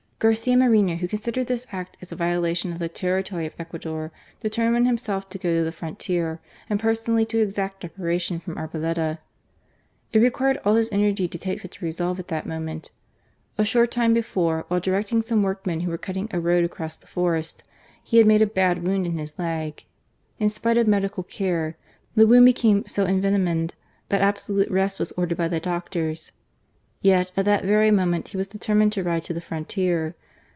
Garcia Morena, who considered this act as a violation of the territory of Ecuador, determined himself to go to the frontier and personally to exact reparation from Arboleda. It required all his energy to take such a resolve at that moment. A short time before, while direct ing some workmen who were cutting a road across the forest, he had made a bad wound in his leg. In spite of medical care, the wound became so envenomed that absolute rest was ordered by the doctors. Yet, at that very moment he was deter mined to ride to the frontier.